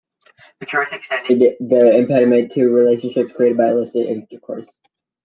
The church extended the impediment to relationships created by illicit intercourse.